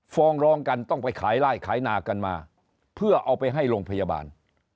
ฟ้องร้องกันต้องไปขายไล่ขายนากันมาเพื่อเอาไปให้โรงพยาบาล